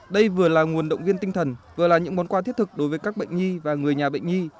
đây vừa là nguồn động viên tinh thần vừa là những món quà thiết thực đối với các bệnh nhi và người nhà bệnh nhi